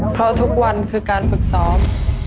เพราะทุกวันคือการฝึกซ้อม